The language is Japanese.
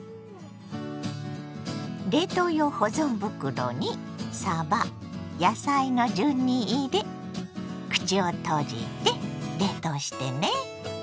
冷凍用保存袋にさば野菜の順に入れ口を閉じて冷凍してね。